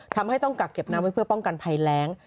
ทำให้ต้องกักเก็บน้ำไว้เพื่อป้องกันภัยแรง